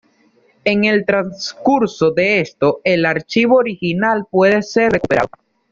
En el transcurso de esto, el archivo original puede ser recuperado.